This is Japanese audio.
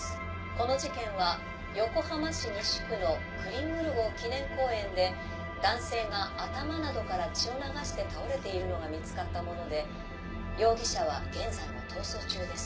この事件は横浜市西区のクリングル号記念公園で男性が頭などから血を流して倒れているのが見つかったもので容疑者は現在も逃走中です。